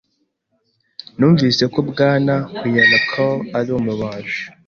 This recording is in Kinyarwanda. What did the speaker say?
Numvise ko Bwana Huayllacahua ari umubaji.